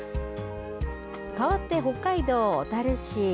かわって北海道小樽市。